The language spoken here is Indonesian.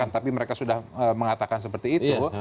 tapi mereka sudah mengatakan seperti itu